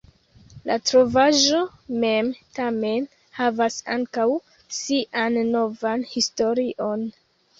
La trovaĵo mem, tamen, havas ankaŭ sian novan historion.